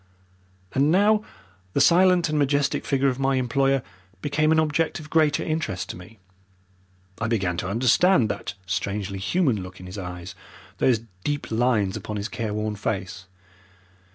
And now the silent and majestic figure of my employer became an object of greater interest to me. I began to understand that strangely human look in his eyes, those deep lines upon his care worn face.